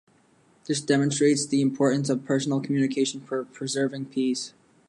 This demonstrates the importance of personal communication for preserving peace.